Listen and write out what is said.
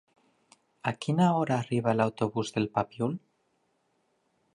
A quina hora arriba l'autobús del Papiol?